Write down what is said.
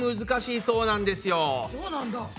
そうなんだ。